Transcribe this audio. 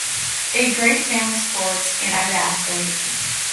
A great fan of sports, and an avid athlete.